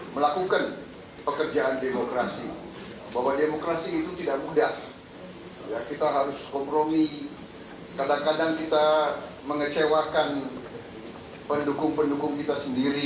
melakukan pekerjaan demokrasi bahwa demokrasi itu tidak mudah kita harus kompromi kadang kadang kita mengecewakan pendukung pendukung kita sendiri